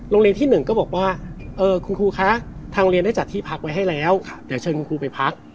โรงเรียนที่๑ก็บอกว่าคุณครูคะทางเรียนได้จัดที่พักไว้ให้แล้วเดี๋ยวเชิญคุณครูไปพัก